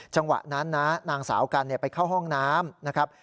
จังหวะนั้นนะนางสาวกันไปเข้าห้องน้ำนะครับ